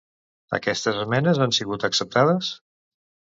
Aquestes esmenes han sigut acceptades?